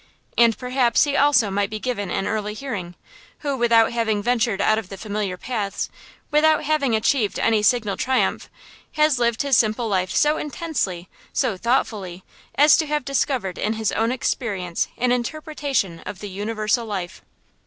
And perhaps he also might be given an early hearing, who, without having ventured out of the familiar paths, without having achieved any signal triumph, has lived his simple life so intensely, so thoughtfully, as to have discovered in his own experience an interpretation of the universal life.